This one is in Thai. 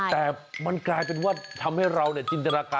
แต่มันกลายเป็นว่าทำให้เราจินตนาการ